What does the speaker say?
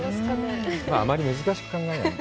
あまり難しく考えないで。